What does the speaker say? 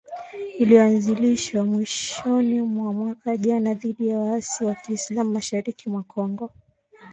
iliyoanzishwa mwishoni mwa mwaka jana dhidi ya waasi wa kiislamu mashariki mwa Kongo